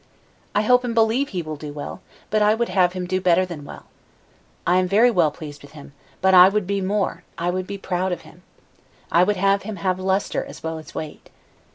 I hope and believe he will do well, but I would have him do better than well. I am very well pleased with him, but I would be more, I would be proud of him. I would have him have lustre as well as weight.